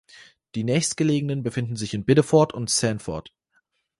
Die nächstgelegenen befinden sich in Biddeford und Sanford.